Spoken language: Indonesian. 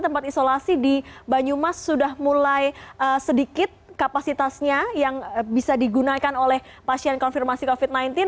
tempat isolasi di banyumas sudah mulai sedikit kapasitasnya yang bisa digunakan oleh pasien konfirmasi covid sembilan belas